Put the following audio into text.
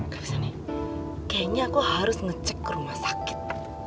gak bisa nih kayaknya aku harus ngecek ke rumah sakit